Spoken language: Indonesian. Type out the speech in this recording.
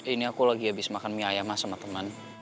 ini aku lagi abis makan mie ayam sama temen